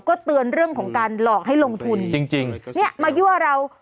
ก็เตือนเรื่องของการหลอกให้ลงทุนจริงจริงเนี่ยมายั่วเรา